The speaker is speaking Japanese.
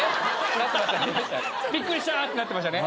なってました「びっくりした！」ってなってましたね